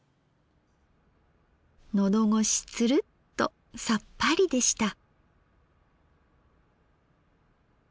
のどごしツルッとさっぱりでした。